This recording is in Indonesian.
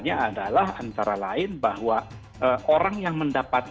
tanda tandanya adalah antara lain bahwa orang yang menerima kebaikan itu adalah orang yang menerima kebaikan